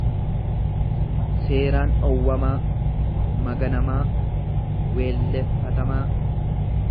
seeraan dhowwamaa, maganamaa, weelleffatamaa.